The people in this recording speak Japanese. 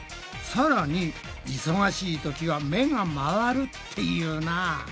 さらに忙しいときは「目が回る」って言うなぁ。